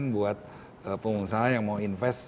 buat pengusaha yang mau invest